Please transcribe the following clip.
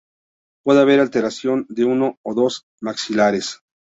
Puede haber alteración de uno o dos maxilares.